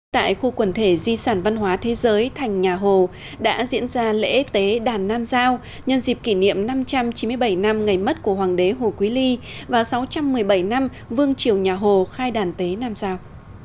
tại khu quần thể di sản văn hóa thế giới thành nhà hồ đã diễn ra lễ tế đàn nam giao nhân dịp kỷ niệm năm trăm chín mươi bảy năm ngày mất của hoàng đế hồ quý ly và sáu trăm một mươi bảy năm vương triều nhà hồ khai đàn tế nam giao